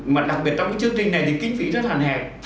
mà đặc biệt trong cái chương trình này thì kinh phí rất hàn hẹp